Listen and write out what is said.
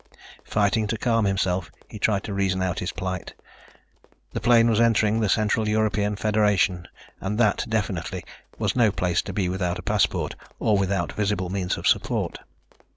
Fighting to calm himself, he tried to reason out his plight. The plane was entering the Central European Federation and that, definitely, was no place to be without a passport or without visible means of support.